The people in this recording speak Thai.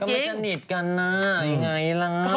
ก็ไม่ได้จะนิดกันนะยังไงล่ะ